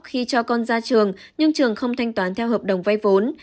khi cho con ra trường nhưng trường không thanh toán theo hợp đồng vay vốn